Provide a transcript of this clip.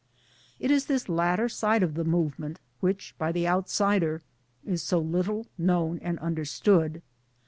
It is this latter side of the movement which by the outsider is so little known and understood.